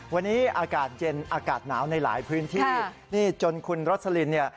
วันนี้อากาศเย็นอากาศหนาวในหลายพื้นที่นี่จนคุณรสลินเนี่ย